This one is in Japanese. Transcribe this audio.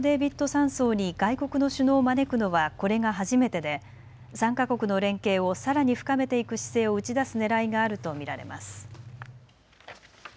山荘に外国の首脳を招くのはこれが初めてで３か国の連携をさらに深めていく姿勢を打ち出すねらいがあると見られます。